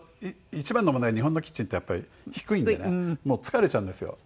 一番の問題は日本のキッチンってやっぱり低いんでね疲れちゃうんですよ。